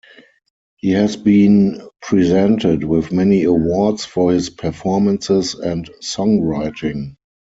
He has been presented with many awards for his performances and songwriting.